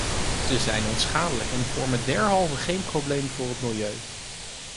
Ze zijn onschadelijk en vormen derhalve geen probleem voor het milieu.